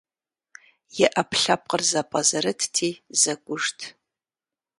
И Ӏэпкълъэпкъыр зэпӀэзэрытти, зэкӀужт.